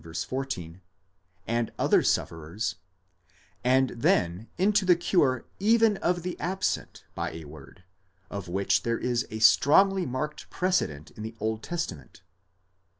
14, and other sufferers ; and then into the cure even of the absent by a word; of which there is a strongly marked precedent in the Old Testament.